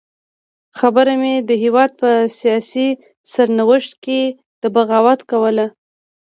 خبره مې د هېواد په سیاسي سرنوشت کې د بغاوت کوله.